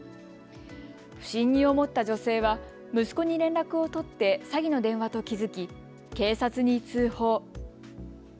不審に思った女性は息子に連絡を取って詐欺の電話と気付き、警察に通報。